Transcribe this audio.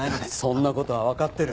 そんな事はわかってる。